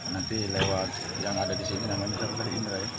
nanti lewat yang ada di sini nama ini tadi indra ya